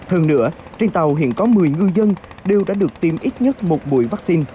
hơn nữa trên tàu hiện có một mươi ngư dân đều đã được tìm ít nhất một bụi vũ khí